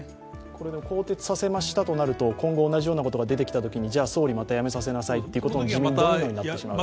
これで、更迭させましたとなると今後、同じようなことがあるとじゃ総理、また辞めさせなさいということにもなってしまう。